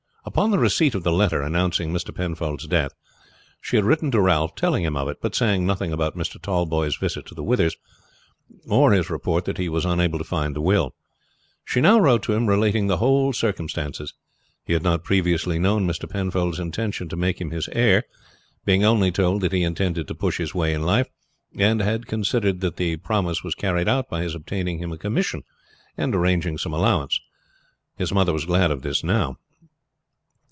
Upon the receipt of the letter announcing Mr. Penfold's death, she had written to Ralph telling him of it, but saying nothing about Mr. Tallboys' visit to the Withers, or his report that he was unable to find the will. She now wrote to him relating the whole circumstances. He had not previously known Mr. Penfold's intention to make him his heir, being only told that he intended to push his way in life, and had considered that the promise was carried out by his obtaining him a commission and arranging some allowance. His mother was glad of this now.